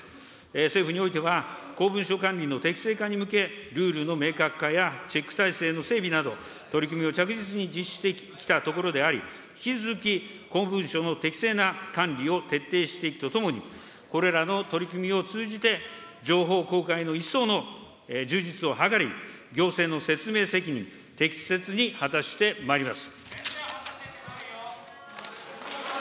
政府においては、公文書管理の適正化に向け、ルールの明確化やチェック体制の整備など、取り組みを着実に実施してきたところであり、引き続き公文書の適正な管理を徹底していくとともに、これらの取り組みを通じて、情報公開の一層の充実を図り、行政の説明責任、適切に果たしてまいります。